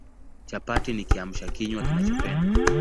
Chapati ni Kiamsha kinywa kinachopendwa